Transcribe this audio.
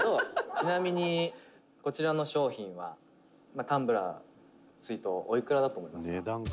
「ちなみに、こちらの商品はタンブラー、水筒おいくらだと思いますか？」